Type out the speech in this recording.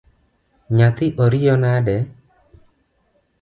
Nyathi oriyo nade?